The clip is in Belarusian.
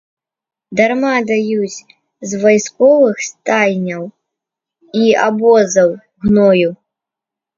Дарма даюць з вайсковых стайняў і абозаў гною.